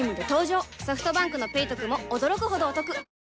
ソフトバンクの「ペイトク」も驚くほどおトク